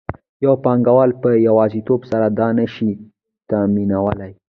یو پانګوال په یوازیتوب سره دا نشي تامینولی